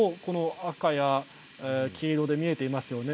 赤や黄色で見えています。